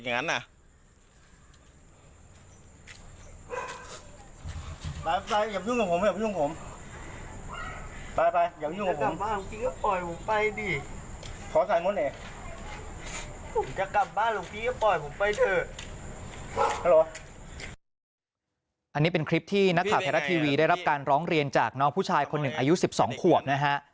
อันนี้เป็นคลิปที่นักข่าวไทยรัฐทีวีได้รับการร้องเรียนจากน้องผู้ชายคนหนึ่งอายุ๑๒ขวบนะฮะ